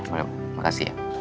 oh ya boleh makasih ya